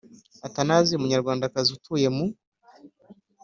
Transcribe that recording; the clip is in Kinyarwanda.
Athenasie umunyarwandakazi utuye mu